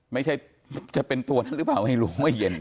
ไม่ใช่จะเป็นตัวนั้นหรือเปล่าไม่รู้เมื่อเย็น